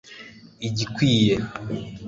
igikwiye